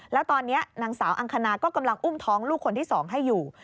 แล้วตอนนี้นางสาวอังคณาก็กำลังอุ้มท้องลูกคนที่๒ให้อยู่